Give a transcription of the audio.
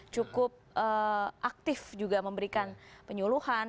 cukup aktif juga memberikan penyuluhan